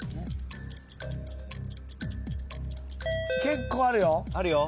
結構あるよ。